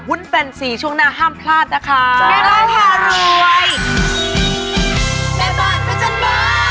หุ้นแฟน๔ช่วงหน้าห้ามพลาดนะคะใช่แม่บ้านค่ะรวย